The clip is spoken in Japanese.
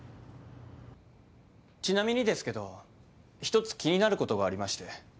ちなみにですけど一つ気になることがありまして。